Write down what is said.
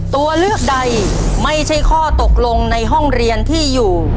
ตัวเลือกใดไม่ใช่ข้อตกลงในห้องเรียนที่อยู่